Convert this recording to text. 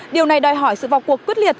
điều này đòi hỏi sự vọc cuộc quyết liệt